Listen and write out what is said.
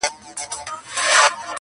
چي څيرلې يې سينې د غليمانو!!